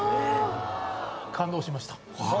感動しました。